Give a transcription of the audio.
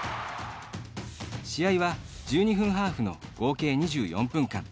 試合は、１２分ハーフの合計２４分間。